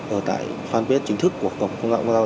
ở tại fanpage chính thức của cổng không gian mạng quốc gia